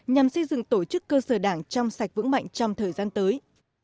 nhằm xây dựng tổ chức cơ sở đảng trong sạch vững mạnh trong thời gian tới